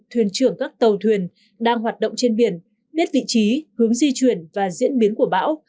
thuyền trưởng các tàu thuyền đang hoạt động trên biển biết vị trí hướng di chuyển và diễn biến của bão